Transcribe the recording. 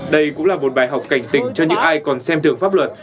đây cũng là một bài học cảnh tỉnh cho những ai còn xem thường pháp luật